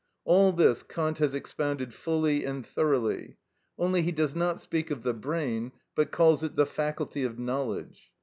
All this Kant has expounded fully and thoroughly; only he does not speak of the brain, but calls it "the faculty of knowledge."